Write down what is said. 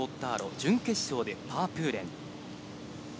準決勝でパープーレン。